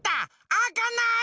あかない！